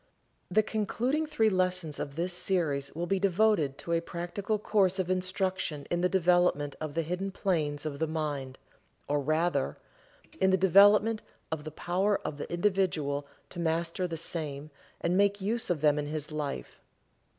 The concluding three lessons of this series will be devoted to a practical course of instruction in the development of the hidden planes of the mind, or rather, in the development of the power of the individual to master the same and make use of them in his life.